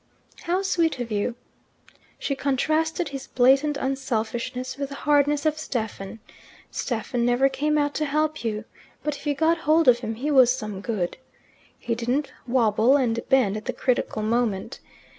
"How sweet of you." She contrasted his blatant unselfishness with the hardness of Stephen. Stephen never came out to help you. But if you got hold of him he was some good. He didn't wobble and bend at the critical moment.